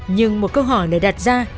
nhưng một câu hỏi lời đặt ra